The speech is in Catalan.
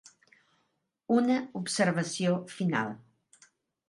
Una observació final.